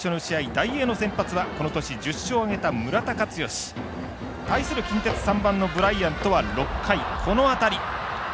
ダイエーの先発はこの年１０勝を挙げた村田勝喜。対する近鉄、ブライアントは６回、この当たり。